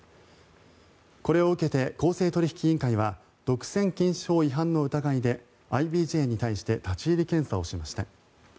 これを受けて公正取引委員会は独占禁止法違反の疑いでＩＢＪに対して立ち入り検査をしました。